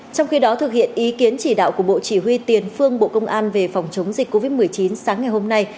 trong khi đó thực hiện ý kiến chỉ đạo của bộ chỉ huy tiền phương bộ công an về phòng chống dịch covid một mươi chín sáng ngày hôm nay